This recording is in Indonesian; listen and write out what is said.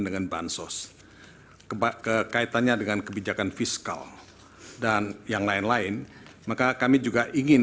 dengan bansos kekaitannya dengan kebijakan fiskal dan yang lain lain maka kami juga ingin